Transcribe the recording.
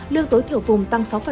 lương tối thiểu phùng tăng sáu